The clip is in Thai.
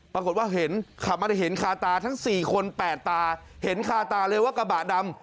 ปรากฏว่าเห็นขาตาทั้ง๔คน๘ตาเห็นขาตาเลยว่ากระบะดำ